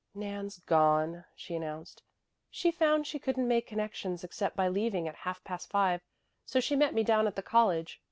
"Nan's gone," she announced. "She found she couldn't make connections except by leaving at half past five, so she met me down at the college.